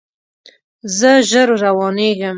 زه ژر روانیږم